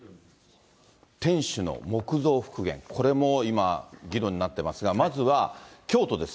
天守の木造復元、これも今、議論になってますが、まずは京都です。